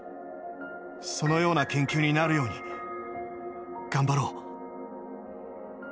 そのような研究になるように頑張ろう。